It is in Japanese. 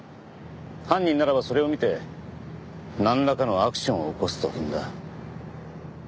犯人ならばそれを見てなんらかのアクションを起こすと踏んだ。